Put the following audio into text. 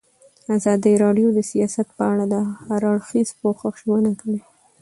ازادي راډیو د سیاست په اړه د هر اړخیز پوښښ ژمنه کړې.